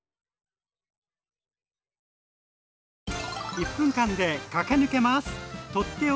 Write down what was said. １分間で駆け抜けます！